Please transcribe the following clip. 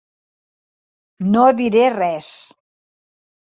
No diré res.